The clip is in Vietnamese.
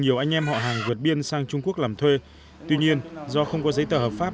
nhiều anh em họ hàng vượt biên sang trung quốc làm thuê tuy nhiên do không có giấy tờ hợp pháp